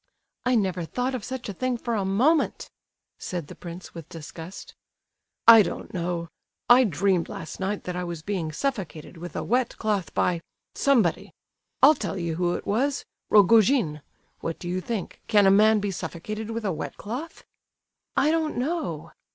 "I never thought of such a thing for a moment," said the prince, with disgust. "I don't know—I dreamed last night that I was being suffocated with a wet cloth by—somebody. I'll tell you who it was—Rogojin! What do you think, can a man be suffocated with a wet cloth?" "I don't know."